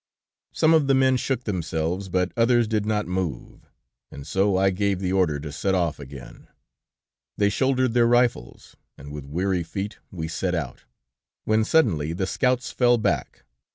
Some of the men shook themselves, but others did not move, and so I gave the order to set off again; they shouldered their rifles, and with weary feet we set out, when suddenly the scouts fell back.